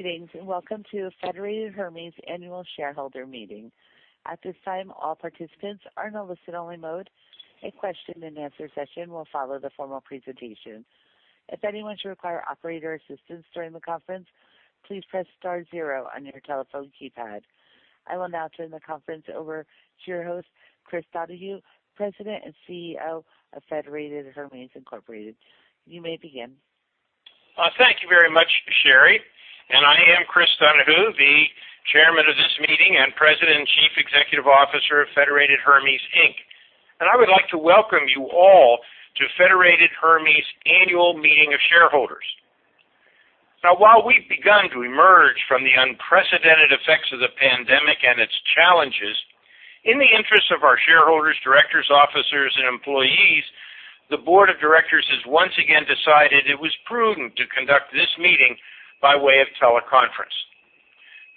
Greetings, and welcome to Federated Hermes Annual Shareholder Meeting. I will now turn the conference over to your host, Chris Donahue, President and CEO of Federated Hermes, Inc. You may begin. Thank you very much, Sherry. I am Chris Donahue, the Chairman of this meeting and President and Chief Executive Officer of Federated Hermes Inc. I would like to welcome you all to Federated Hermes annual meeting of shareholders. While we've begun to emerge from the unprecedented effects of the pandemic and its challenges, in the interest of our shareholders, directors, officers, and employees, the board of directors has once again decided it was prudent to conduct this meeting by way of teleconference.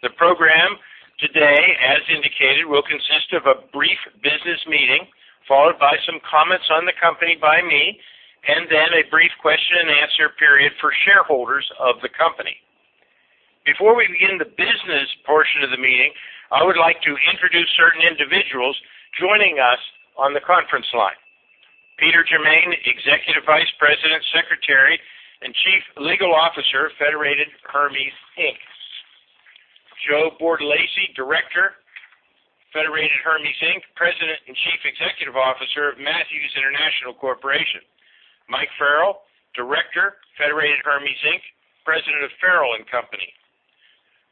The program today, as indicated, will consist of a brief business meeting followed by some comments on the company by me, and then a brief question and answer period for shareholders of the company. Before we begin the business portion of the meeting, I would like to introduce certain individuals joining us on the conference line. Peter Germain, Executive Vice President, Secretary, and Chief Legal Officer, Federated Hermes, Inc. Joseph C. Bartolacci, Director, Federated Hermes, Inc., President and Chief Executive Officer of Matthews International Corporation. Michael J. Farrell, Director, Federated Hermes, Inc., President of Farrell & Company.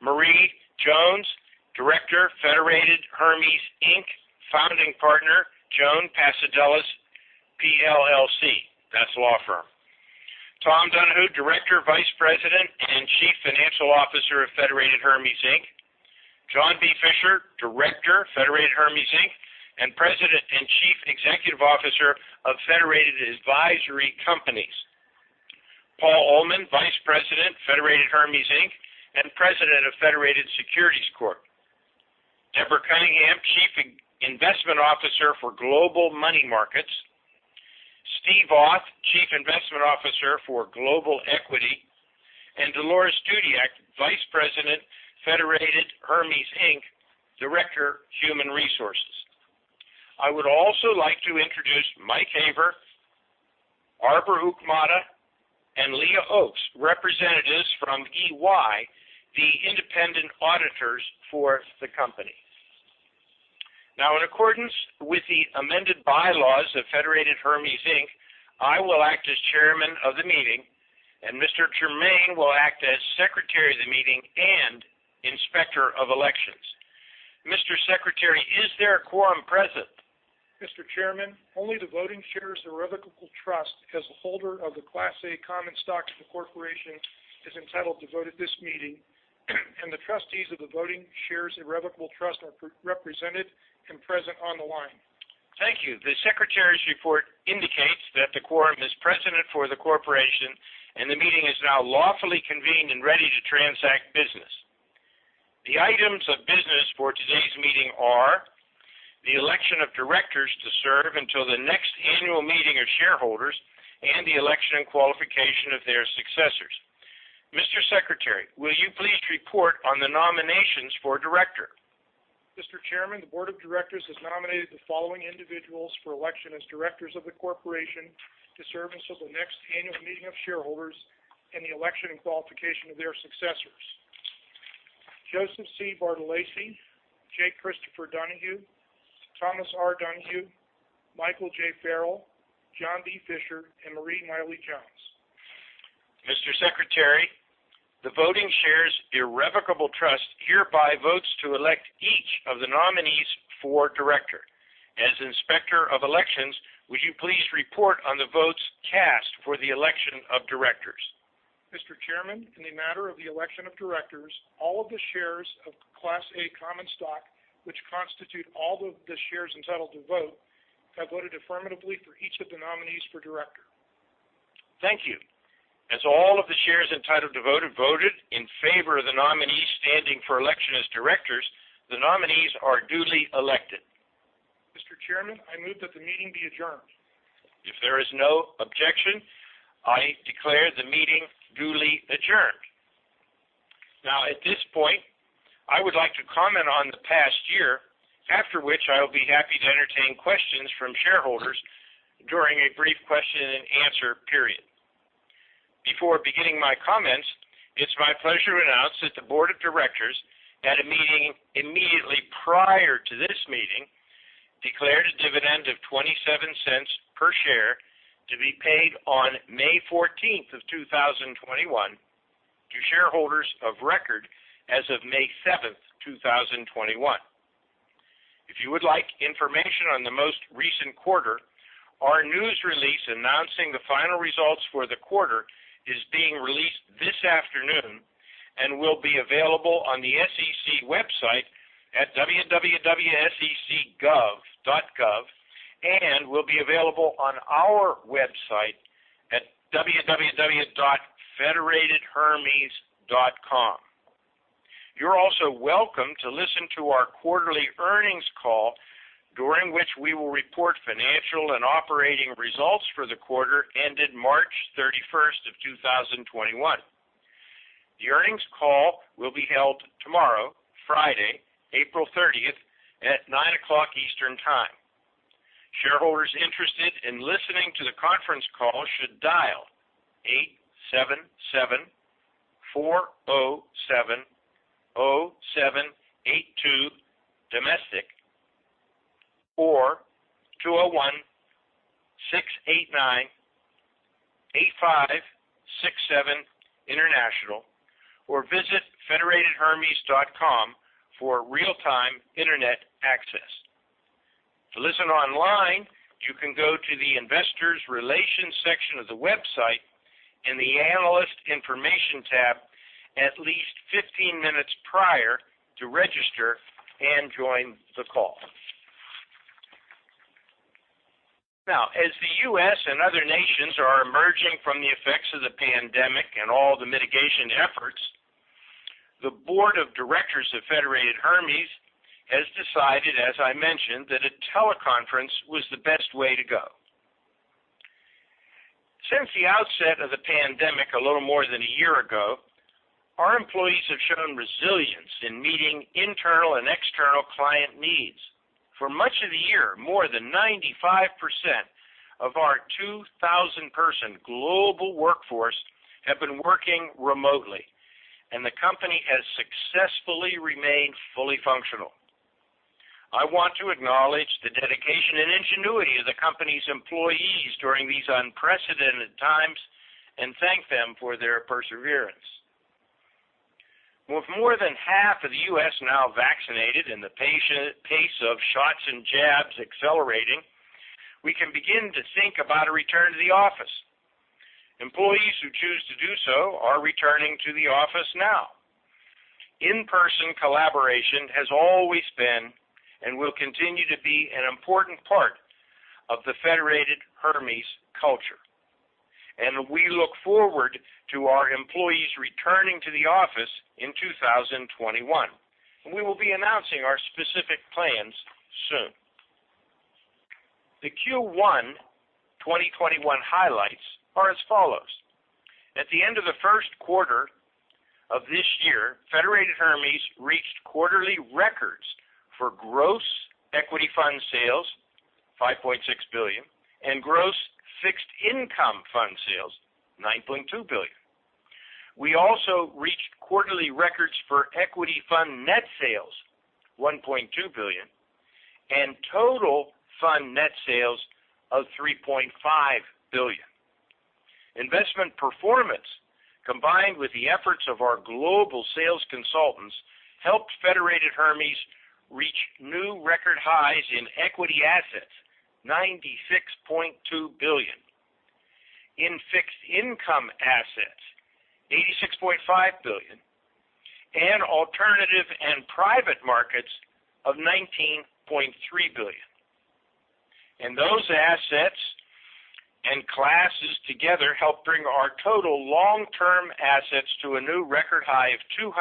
Marie Milie Jones, Director, Federated Hermes, Inc., Founding Partner, JonesPassodelis, PLLC. That's a law firm. Thomas R. Donahue, Director, Vice President, and Chief Financial Officer of Federated Hermes, Inc. John B. Fisher, Director, Federated Hermes, Inc., and President and Chief Executive Officer of Federated Advisory Companies. Paul Uhlman, Vice President, Federated Hermes, Inc., and President of Federated Securities Corp. Deborah Cunningham, Chief Investment Officer for Global Liquidity Markets. Stephen Auth, Chief Investment Officer for Equities, and Dolores D. Dudiak, Vice President, Federated Hermes, Inc., Director, Human Resources. I would also like to introduce Mike Haber, Arbor Ukmatta, and Leah Oakes, representatives from EY, the independent auditors for the company. In accordance with the amended bylaws of Federated Hermes, Inc., I will act as chairman of the meeting, and Mr. Germain will act as secretary of the meeting and inspector of elections. Mr. Secretary, is there a quorum present? Mr. Chairman, only the Voting Shares Irrevocable Trust as a holder of the Class A common stock of the corporation is entitled to vote at this meeting. The trustees of the Voting Shares Irrevocable Trust are represented and present on the line. Thank you. The secretary's report indicates that the quorum is present for the corporation, and the meeting is now lawfully convened and ready to transact business. The items of business for today's meeting are the election of directors to serve until the next annual meeting of shareholders and the election and qualification of their successors. Mr. Secretary, will you please report on the nominations for director? Mr. Chairman, the board of directors has nominated the following individuals for election as directors of the corporation to serve until the next annual meeting of shareholders and the election and qualification of their successors. Joseph C. Bartolacci, J. Christopher Donahue, Thomas R. Donahue, Michael J. Farrell, John B. Fisher, and Marie Milie Jones. Mr. Secretary, the Voting Shares Irrevocable Trust hereby votes to elect each of the nominees for director. As Inspector of Elections, would you please report on the votes cast for the election of directors? Mr. Chairman, in the matter of the election of directors, all of the shares of Class A common stock, which constitute all of the shares entitled to vote, have voted affirmatively for each of the nominees for director. Thank you. As all of the shares entitled to vote have voted in favor of the nominees standing for election as directors, the nominees are duly elected. Mr. Chairman, I move that the meeting be adjourned. If there is no objection, I declare the meetng duly adjourned. Now, at this point, I would like to comment on the past year, after which I will be happy to entertain questions from shareholders during a brief question and answer period. Before beginning my comments, it's my pleasure to announce that the board of directors, at a meeting immediately prior to this meeting, declared a dividend of $0.27 per share to be paid on May 14th, 2021 to shareholders of record as of May 7th, 2021. If you would like information on the most recent quarter, our news release announcing the final results for the quarter is being released this afternoon and will be available on the SEC website at www.sec.gov and will be available on our website at www.federatedhermes.com. You're also welcome to listen to our quarterly earnings call, during which we will report financial and operating results for the quarter ended March 31st, 2021. The earnings call will be held tomorrow, Friday, April 30th, at 9:00 Eastern Time. Shareholders interested in listening to the conference call should dial 877-407-0782, domestic, or 201-689-8567, international, or visit federatedhermes.com for real-time internet access. To listen online, you can go to the investor relations section of the website in the analyst information tab at least 15 minutes prior to register and join the call. Now, as the U.S. and other nations are emerging from the effects of the pandemic and all the mitigation efforts, the board of directors of Federated Hermes has decided, as I mentioned, that a teleconference was the best way to go. Since the outset of the pandemic a little more than one year ago, our employees have shown resilience in meeting internal and external client needs. For much of the year, more than 95% of our 2,000-person global workforce have been working remotely, and the company has successfully remained fully functional. I want to acknowledge the dedication and ingenuity of the company's employees during these unprecedented times, and thank them for their perseverance. With more than half of the U.S. now vaccinated and the pace of shots and jabs accelerating, we can begin to think about a return to the office. Employees who choose to do so are returning to the office now. In-person collaboration has always been, and will continue to be, an important part of the Federated Hermes culture. We look forward to our employees returning to the office in 2021. We will be announcing our specific plans soon. The Q1 2021 highlights are as follows. At the end of the first quarter of this year, Federated Hermes reached quarterly records for gross equity fund sales, $5.6 billion, and gross fixed income fund sales, $9.2 billion. We also reached quarterly records for equity fund net sales, $1.2 billion, and total fund net sales of $3.5 billion. Investment performance, combined with the efforts of our global sales consultants, helped Federated Hermes reach new record highs in equity assets, $96.2 billion. In fixed income assets, $86.5 billion, and alternative and private markets of $19.3 billion. Those assets and classes together helped bring our total long-term assets to a new record high of $206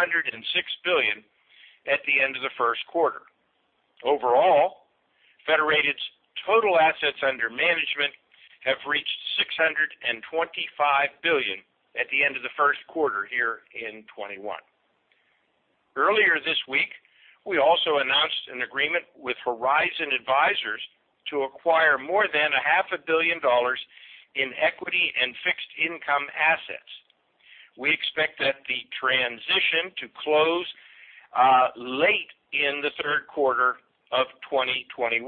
billion at the end of the first quarter. Overall, Federated's total assets under management have reached $625 billion at the end of the first quarter here in 2021. Earlier this week, we also announced an agreement with Horizon Advisers to acquire more than a half a billion dollars in equity and fixed income assets. We expect that the transition to close late in the third quarter of 2021.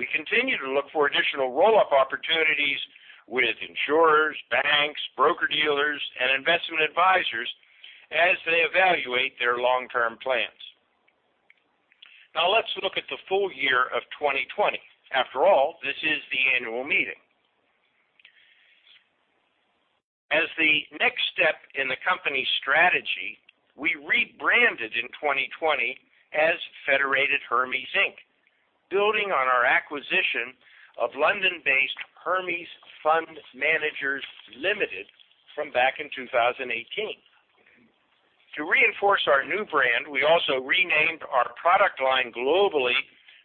We continue to look for additional roll-up opportunities with insurers, banks, broker-dealers, and investment advisors as they evaluate their long-term plans. Let's look at the full year of 2020. After all, this is the annual meeting. As the next step in the company's strategy, we rebranded in 2020 as Federated Hermes, Inc., building on our acquisition of London-based Hermes Fund Managers Limited from back in 2018. To reinforce our new brand, we also renamed our product line globally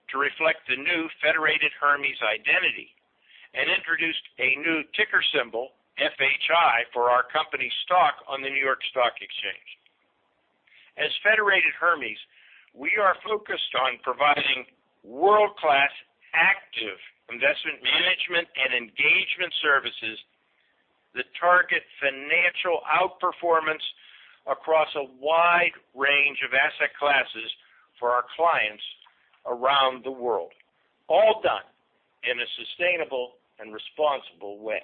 to reflect the new Federated Hermes identity and introduced a new ticker symbol, FHI, for our company stock on the New York Stock Exchange. As Federated Hermes, we are focused on providing world-class active investment management and engagement services that target financial outperformance across a wide range of asset classes for our clients around the world, all done in a sustainable and responsible way.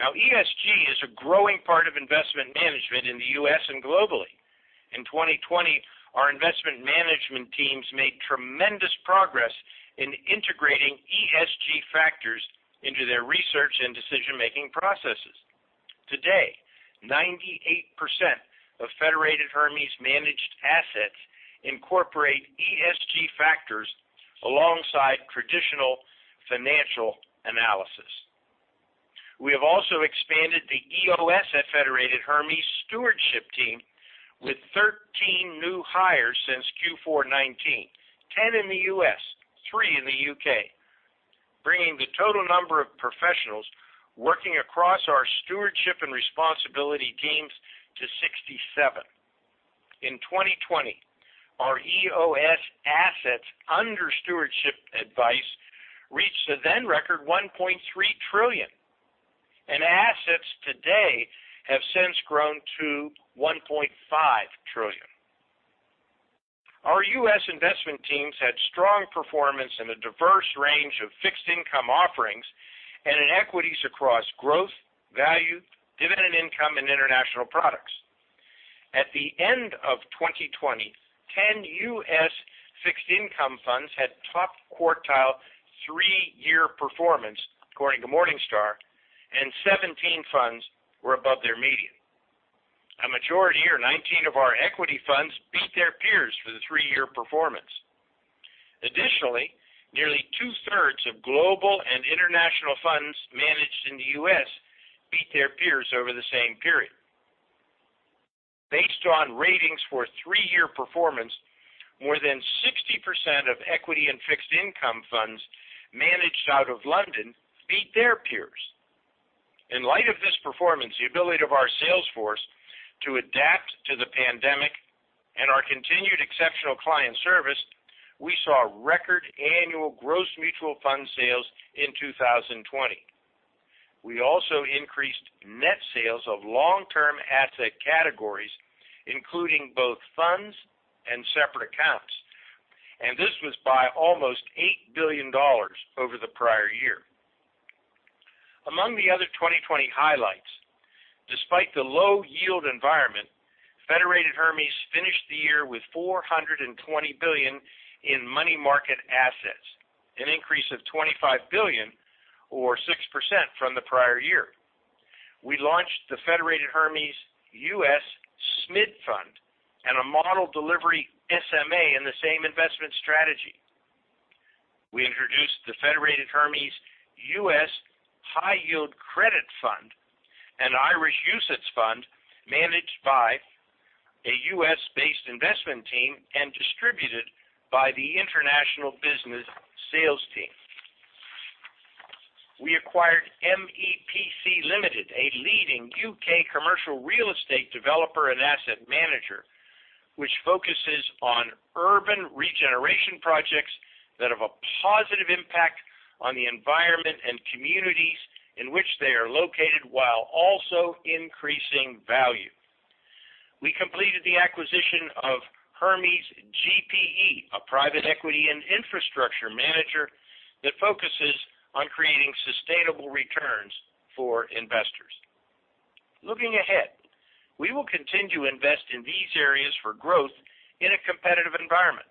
ESG is a growing part of investment management in the U.S. and globally. In 2020, our investment management teams made tremendous progress in integrating ESG factors into their research and decision-making processes. Today, 98% of Federated Hermes managed assets incorporate ESG factors alongside traditional financial analysis. We have also expanded the EOS at Federated Hermes stewardship team with 13 new hires since Q4 2019, 10 in the U.S., three in the U.K., bringing the total number of professionals working across our stewardship and responsibility teams to 67. In 2020, our EOS assets under stewardship advice reached a then record $1.3 trillion, and assets today have since grown to $1.5 trillion. Our U.S. investment teams had strong performance in a diverse range of fixed income offerings and in equities across growth, value, dividend income, and international products. At the end of 2020, 10 U.S. fixed income funds had top quartile three-year performance according to Morningstar, and 17 funds were above their median. A majority or 19 of our equity funds beat their peers for the three-year performance. Additionally, nearly two-thirds of global and international funds managed in the U.S. beat their peers over the same period. Based on ratings for three-year performance, more than 60% of equity and fixed income funds managed out of London beat their peers. In light of this performance, the ability of our sales force to adapt to the pandemic, and our continued exceptional client service, we saw record annual gross mutual fund sales in 2020. We also increased net sales of long-term asset categories, including both funds and separate accounts, and this was by almost $8 billion over the prior year. Among the other 2020 highlights, despite the low yield environment, Federated Hermes finished the year with $420 billion in money market assets, an increase of $25 billion or 6% from the prior year. We launched the Federated Hermes US SMID Fund and a model delivery SMA in the same investment strategy. We introduced the Federated Hermes US High Yield Credit Fund, an Irish UCITS fund managed by a U.S.-based investment team and distributed by the international business sales team. We acquired MEPC Limited, a leading U.K. commercial real estate developer and asset manager, which focuses on urban regeneration projects that have a positive impact on the environment and communities in which they are located, while also increasing value. We completed the acquisition of Hermes GPE, a private equity and infrastructure manager that focuses on creating sustainable returns for investors. Looking ahead, we will continue to invest in these areas for growth in a competitive environment.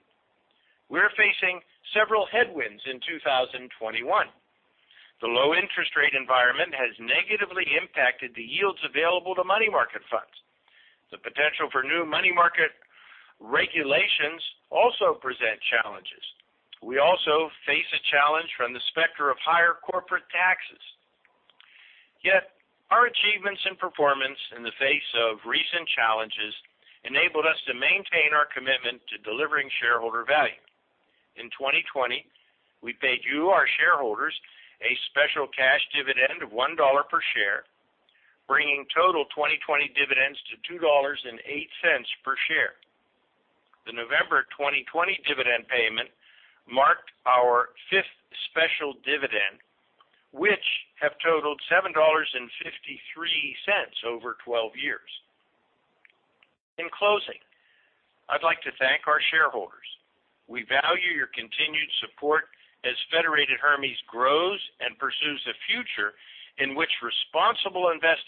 We're facing several headwinds in 2021. The low interest rate environment has negatively impacted the yields available to money market funds. The potential for new money market regulations also present challenges. We also face a challenge from the specter of higher corporate taxes. Yet, our achievements and performance in the face of recent challenges enabled us to maintain our commitment to delivering shareholder value. In 2020, we paid you, our shareholders, a special cash dividend of $1 per share, bringing total 2020 dividends to $2.08 per share. The November 2020 dividend payment marked our fifth special dividend, which have totaled $7.53 over 12 years. In closing, I'd like to thank our shareholders. We value your continued support as Federated Hermes grows and pursues a future in which responsible investing